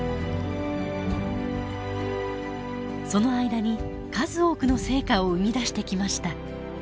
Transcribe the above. その間に数多くの成果を生み出してきました。